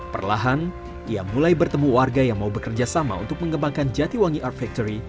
perlahan ia mulai bertemu warga yang mau bekerja sama untuk mengembangkan jatiwangi art factory